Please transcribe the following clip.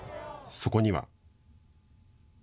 そこには。